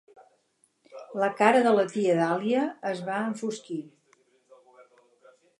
La cara de la tia Dahlia es va enfosquir.